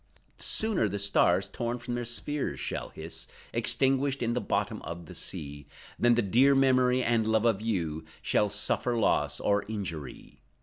Sooner the stars, torn from their spheres, shall hiss, Extinguished in the bottom of the sea, Than the dear memory, and love of you, Shall suffer loss, or injury.